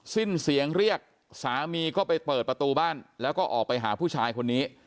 สิ้นเสียงเรียกสามีก็ไปเปิดประตูบ้านแล้วก็ออกไปหาผู้ชายคนนี้